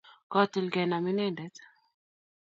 Kotil kenam inendet